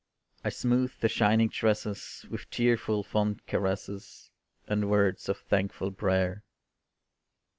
I smoothed the shining tresses, With tearful, fond caresses, And words of thankful prayer.